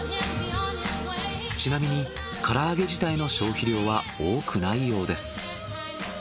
ちなみに唐揚げ自体の消費量は多くないようです。